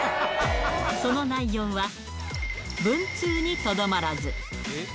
その内容は、文通にとどまらず。